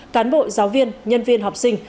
cán bộ giáo viên nhân viên học sinh